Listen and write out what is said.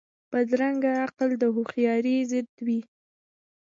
بدرنګه عقل د هوښیارۍ ضد وي